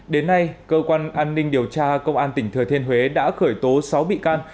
đến nay cơ quan an ninh điều tra công an tỉnh thừa thiên huế đã khởi tố sáu bị can